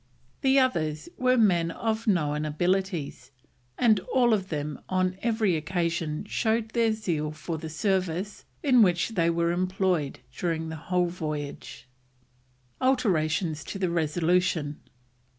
The others were men of known abilities, and all of them on every occasion showed their zeal for the service in which they were employed during the whole voyage." ALTERATIONS TO THE RESOLUTION.